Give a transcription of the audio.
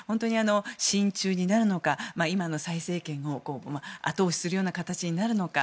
親中になるのか今の蔡政権を後押しするような形になるのか